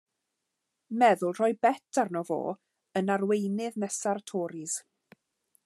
Meddwl rhoi bet arno fo yn arweinydd nesa'r Toris.